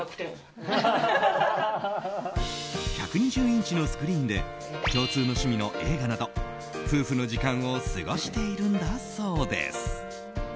１２０インチのスクリーンで共通の趣味の映画など夫婦の時間を過ごしているんだそうです。